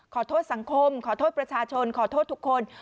ขอโทษสังคมขอโทษประชาชนขอโทษทุกคน